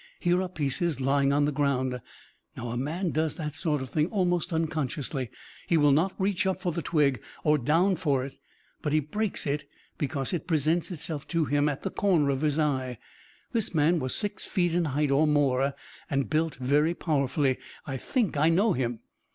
Here are pieces lying on the ground. Now, a man does that sort of thing almost unconsciously. He will not reach up for the twig or down for it, but he breaks it because it presents itself to him at the corner of his eye. This man was six feet in height or more and built very powerfully. I think I know him!